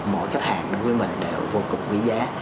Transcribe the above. mỗi khách hàng đối với mình đều vô cùng quý giá